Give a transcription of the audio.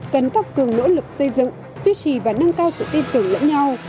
cần tăng cường nỗ lực xây dựng duy trì và nâng cao sự tin tưởng lẫn nhau